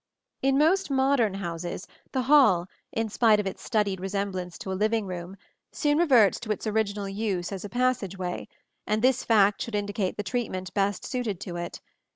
In most modern houses the hall, in spite of its studied resemblance to a living room, soon reverts to its original use as a passageway; and this fact should indicate the treatment best suited to it.